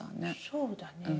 そうだね。